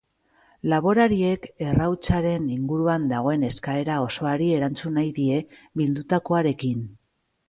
Laborariek errautsaren inguruan dagoen eskaera osoari erantzun nahi die bildutakoarekin.